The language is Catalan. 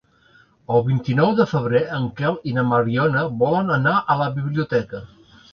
El vint-i-nou de febrer en Quel i na Mariona volen anar a la biblioteca.